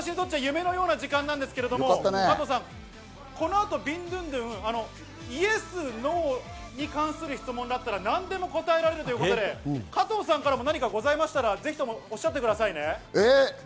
私にとっちゃ夢のような時間なんですけれども、加藤さん、この後、ビンドゥンドゥンのイエス、ノーに関する質問だったら何でも答えられるということで、加藤さんからも何かございましたら、ぜひおっしゃってくださいね。